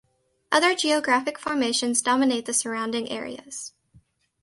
Other geographic formations dominate the surrounding areas.